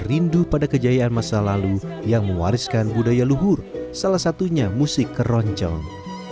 rindu pada kejayaan masa lalu yang mewariskan budaya luhur salah satunya musik keroncong